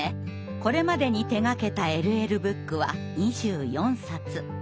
これまでに手がけたＬＬブックは２４冊。